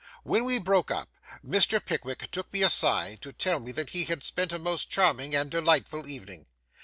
When we broke up, Mr. Pickwick took me aside to tell me that he had spent a most charming and delightful evening.